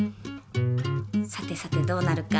さてさてどうなるか？